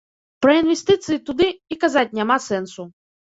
Пра інвестыцыі туды і казаць няма сэнсу.